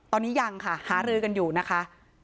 ตอนนี้ยังค่ะหารือกันอยู่นะคะ